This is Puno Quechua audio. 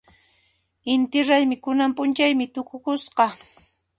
Inti raymi kunan p'unchaymi tukukusqa.